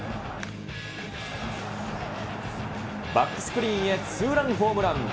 バックスクリーンへツーランホームラン。